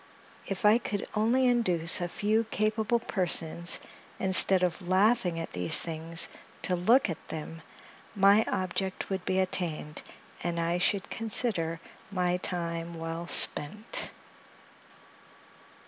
If I could only induce a few capable persons, instead of laughing at these things, to look at them, my object would be attained, and I should consider my time well spent.